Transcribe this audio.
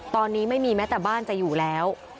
ตอนนี้ไม่มีแม้แต่บ้านจะอยู่แล้ว